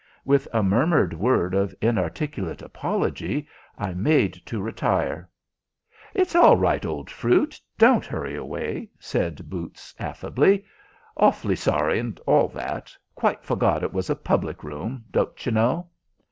With a murmured word of inarticulate apology I made to retire. "It's all right, old fruit, don't hurry away," said boots affably. "Awfully sorry, and all that. Quite forgot it was a public room, don't you know."